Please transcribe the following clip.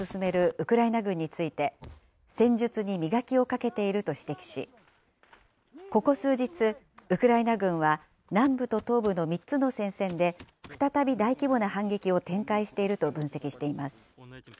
ウクライナ軍について、戦術に磨きをかけていると指摘し、ここ数日、ウクライナ軍は南部と東部の３つの戦線で、再び大規模な反撃を展開していると分析しています。